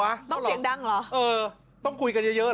ต้องเสียงดังเหรอเออต้องคุยกันเยอะเยอะ